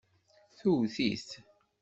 Twet-it.